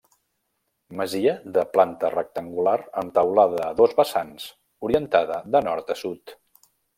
Masia de planta rectangular amb teulada a dos vessants, orientada de nord a sud.